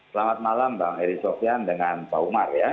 selamat malam bang edi sofian dengan pak umar ya